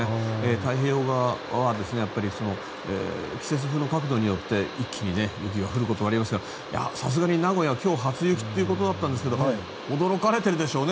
太平洋側はやっぱり季節風の角度によって一気に雪が降ることがありますがさすがに名古屋は今日初雪ということだったんですが驚かれてるでしょうね